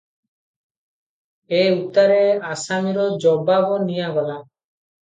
ଏ ଉତ୍ତାରେ ଆସାମୀର ଜବାବ ନିଆଗଲା ।